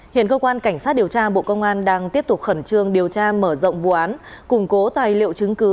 hiện cơ quan cảnh sát điều tra bộ công an đang tiếp tục khẩn trương điều tra mở rộng vụ án củng cố tài liệu chứng cứ